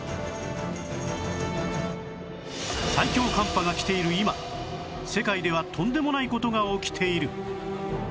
最強寒波が来ている今世界ではとんでもない事が起きている！